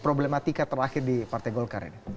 problematika terakhir di partai golkar ini